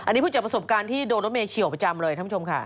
อันนี้พูดจากประสบการณ์ที่โดนรถเมยเฉียวประจำเลยท่านผู้ชมค่ะ